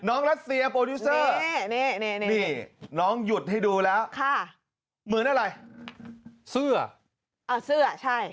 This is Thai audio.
รัสเซียโปรดิวเซอร์นี่น้องหยุดให้ดูแล้วค่ะเหมือนอะไรเสื้ออ๋อเสื้อใช่